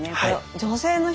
女性の人